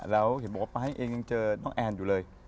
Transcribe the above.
แล้วบอกว่าป้าให้เจเราน้องแอลอยู่เลย